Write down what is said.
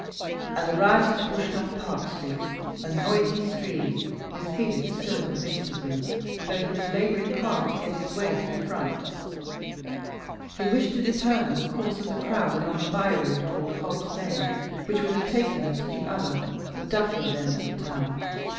And the rioters pushed up Park Street, a noisy stream, with Felix still in the midst of them, though he was laboring hard to get his way to the front. He wished to determine the course of the crowd along a by road called Hobb's Lane, which would have taken them to the other the Duffield end of the town.